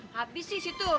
habis sih situ